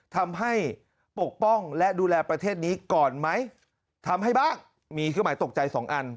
ปกป้องและดูแลประเทศนี้ก่อนไหมทำให้บ้างมีเครื่องหมายตกใจสองอัน